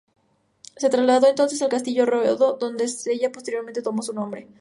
Se trasladó entonces al Castillo Yodo -de donde ella posteriormente tomó su nombre-.